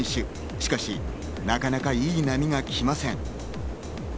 しかし、なかなかいい波が来ません。